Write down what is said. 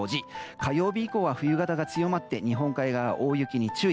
火曜日以降は冬型が強まって日本海側は大雪に注意。